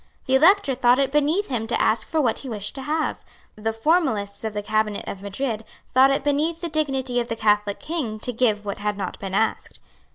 The Elector thought it beneath him to ask for what he wished to have. The formalists of the Cabinet of Madrid thought it beneath the dignity of the Catholic King to give what had not been asked.